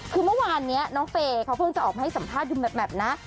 คือเมื่อวานนี้น้องเฟย์เขาเพิ่งจะออกมาให้สัมภาษณ์ดูแบบนะ